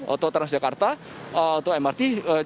atau transjakarta atau mrt